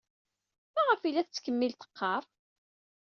Maɣef ay la tettkemmil teɣɣar?